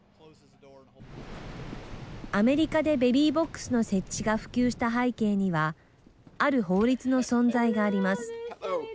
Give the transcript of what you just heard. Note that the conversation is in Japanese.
アメリカでベビーボックスの設置が普及した背景にはある法律の存在があります。